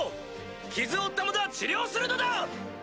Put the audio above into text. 傷を負った者は治療するのだ！